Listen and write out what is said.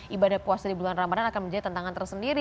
ibadah puasa di bulan ramadan akan menjadi tantangan tersendiri